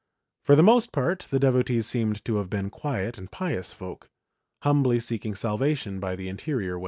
For the most part the devotees seem to have been quiet and pious folk, humbly seeking salvation by the interior way.